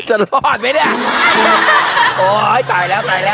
จะรอดไหมเนี่ย